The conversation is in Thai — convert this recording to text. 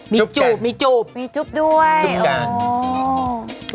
มีจูบมีจูบด้วยจูบกัน